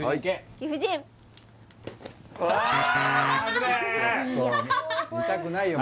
最悪見たくないよ